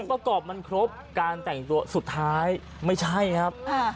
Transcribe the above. ประกอบมันครบการแต่งตัวสุดท้ายไม่ใช่ครับ